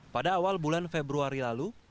pada awal bulan februari lalu